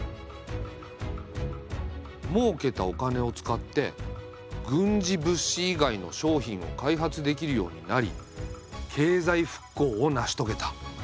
もうけたお金を使って軍事物資以外の商品を開発できるようになり経済復興を成しとげた。